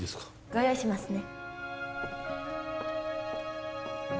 ご用意しますね